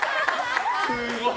すごい。